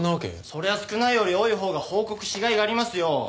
そりゃ少ないより多いほうが報告しがいがありますよ。